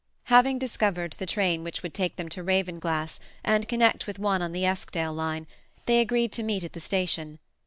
Having discovered the train which would take them to Ravenglass, and connect with one on the Eskdale line, they agreed to meet at the station.